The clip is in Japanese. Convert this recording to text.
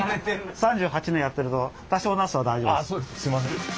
３８年やってると多少の熱さは大丈夫です。